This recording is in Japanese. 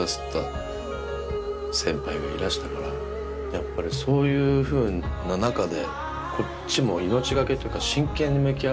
やっぱりそういうふうな中で。